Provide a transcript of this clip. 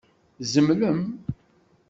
Tzemlem?